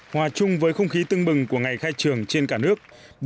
hòa chung với không khí tưng bừng của ngày khai trường trên cả nước